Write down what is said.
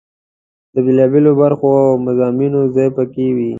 د بېلا بېلو برخو او مضامینو ځای په کې وي.